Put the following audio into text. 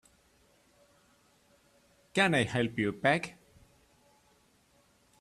Can I help you pack?